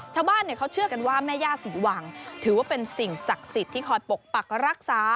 ชาวบ้านเขาเชื่อกันว่าแม่ย่าศรีวังถือว่าเป็นสิ่งศักดิ์สิทธิ์ที่คอยปกปักรักษา